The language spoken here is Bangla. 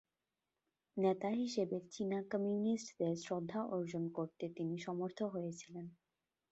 নেতা হিসেবে চীনা কমিউনিস্টদের শ্রদ্ধা অর্জন করতে তিনি সমর্থ হয়েছিলেন।